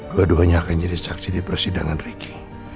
dua duanya akan jadi saksi di persidangan ricky